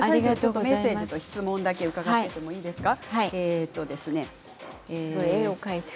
メッセージと質問だけ伺っていいですか？